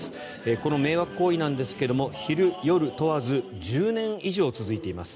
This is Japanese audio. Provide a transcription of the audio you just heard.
この迷惑行為なんですが昼、夜問わず１０年以上続いています。